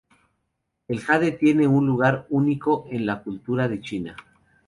El jade tiene un lugar único en la cultura de China.